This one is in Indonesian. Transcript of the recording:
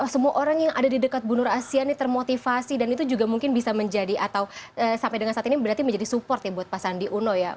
semua orang yang ada di dekat bu nur asia ini termotivasi dan itu juga mungkin bisa menjadi atau sampai dengan saat ini berarti menjadi support ya buat pak sandi uno ya